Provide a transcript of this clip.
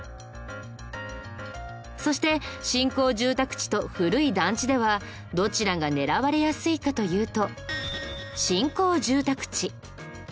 そして新興住宅地と古い団地ではどちらが狙われやすいかというと新興住宅地。